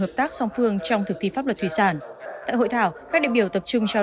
hợp tác song phương trong thực thi pháp luật thủy sản tại hội thảo các địa biểu tập trung trao